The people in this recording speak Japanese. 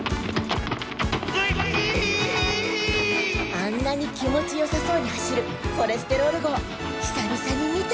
あんなに気持ちよさそうに走るコレステロール号ひさびさに見た。